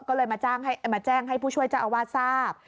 ก็เลยมาแจ้งให้ผู้ช่วยเจ้าอาวาสทราบ